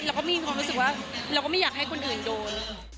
เราก็ไม่มีความรู้สึกว่าเราก็ไม่อยากให้คนอื่นโดน